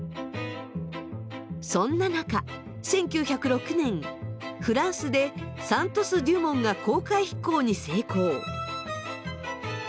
そんな中１９０６年フランスでサントス・デュモンが公開飛行に成功。